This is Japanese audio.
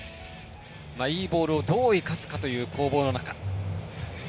いいボールをどう生かすかという攻防の中。